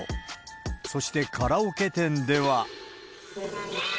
そして、カラオケ店では。